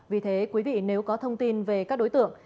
vì thế quý vị nếu có thông tin về các đối tượng